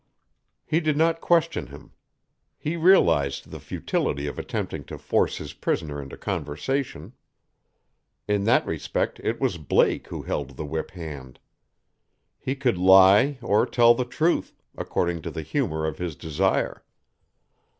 He did not question him. He realized the futility of attempting to force his prisoner into conversation. In that respect it was Blake who held the whip hand. He could lie or tell the truth, according to the humor of his desire.